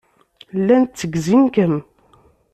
Llan tteggzen-kem.